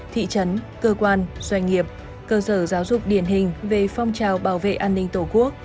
thị trấn cơ quan doanh nghiệp cơ sở giáo dục điển hình về phong trào bảo vệ an ninh tổ quốc